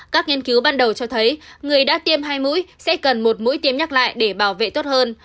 các nghiên cứu ban đầu cho thấy người đã tiêm hai mũi sẽ cần một mũi tiêm nhắc lại để bảo vệ tốt hơn